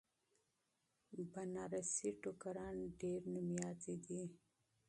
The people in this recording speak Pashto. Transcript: بنارسي ټوکران ډیر مشهور دي.